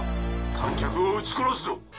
観客を撃ち殺すぞ。